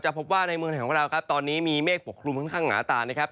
พบว่าในเมืองไทยของเราครับตอนนี้มีเมฆปกคลุมค่อนข้างหนาตานะครับ